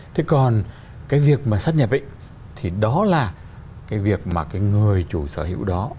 thế còn cái việc mà sắt nhập thì đó là cái việc mà cái người chủ sở hữu